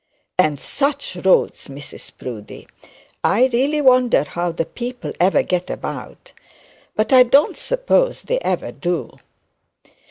'And such roads, Mrs Proudie! I really wonder how the people ever get about. But I don't suppose they ever do.'